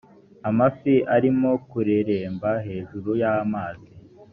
amafi arimo kureremba hejuru y’amazi